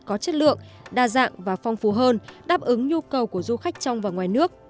có chất lượng đa dạng và phong phú hơn đáp ứng nhu cầu của du khách trong và ngoài nước